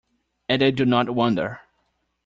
And I do not wonder.